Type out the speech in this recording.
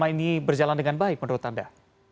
ini berjalan dengan baik menurut anda